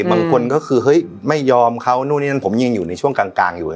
บางคนก็คือเฮ้ยไม่ยอมเขานู่นนี่นั่นผมยังอยู่ในช่วงกลางอยู่เลย